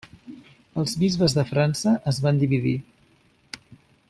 Els bisbes de França es van dividir.